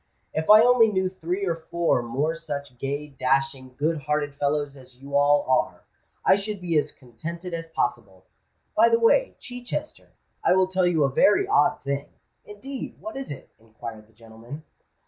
"If I only knew three or four more such gay, dashing, good hearted fellows as you all are, I should be as contented as possible. By the way, Chichester, I will tell you a very odd thing." "Indeed! what is it?" inquired that gentleman.